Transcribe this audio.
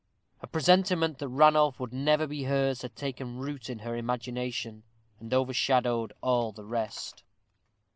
A presentiment that Ranulph would never be hers had taken root in her imagination, and overshadowed all the rest.